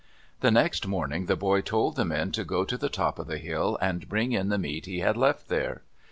The next morning the boy told the men to go to the top of the hill and bring in the meat he had left there.